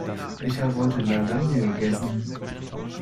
Ich habe heute Lasagne gegessen.